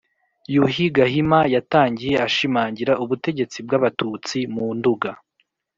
yuhi gahima yatangiye ashimangira ubutegetsi bw'abatutsi mu nduga.